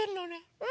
うん。